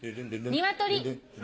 ニワトリ。